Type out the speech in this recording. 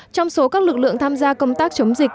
trong số các lực lượng tham gia công tác chống dịch